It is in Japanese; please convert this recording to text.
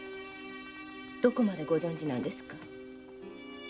どこまでご存知なんですか？